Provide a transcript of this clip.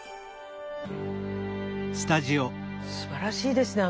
すばらしいですね